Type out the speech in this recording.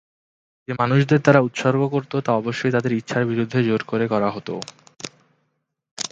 যে মানুষদের তারা উৎসর্গ করতো তা অবশ্যই তাদের ইচ্ছার বিরুদ্ধে জোর করে করা হতো।